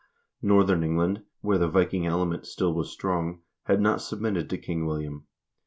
Northern England, where the Viking element still was strong, had not submitted to King William.